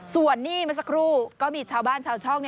ส่วนนี่เมื่อสักครู่ก็มีชาวบ้านชาวช่อง